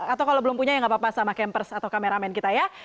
atau kalau belum punya ya nggak apa apa sama campers atau kameramen kita ya